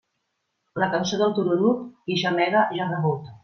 La cançó del tururut, qui gemega ja ha rebut.